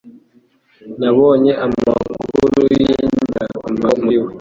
Nabonye amakuru yingirakamaro muri we.